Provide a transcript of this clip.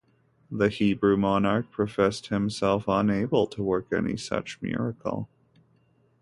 The Hebrew monarch professed himself unable to work any such miracle.